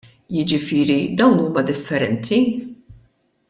Jiġifieri dawn huma differenti?